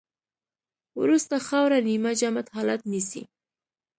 وروسته خاوره نیمه جامد حالت نیسي